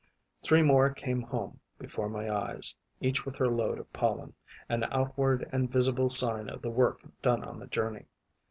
Three more came home before my eyes, each with her load of pollen, an outward and visible sign of the work done on the journey.